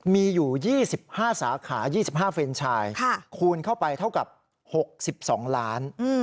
มีอยู่๒๕สาขา๒๕เฟรนชายคูณเข้าไปเท่ากับ๖๒ล้าน